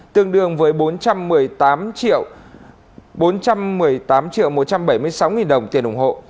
tương đương với bốn trăm một mươi tám một trăm bảy mươi sáu đồng tiền ủng hộ